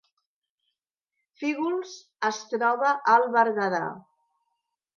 Fígols es troba al Berguedà